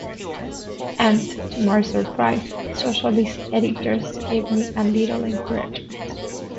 And, to my surprise, Socialist editors gave me a little encouragement.